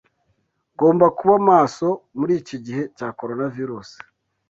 Ngomba kuba maso muri ikigihe cya Coronavirusi.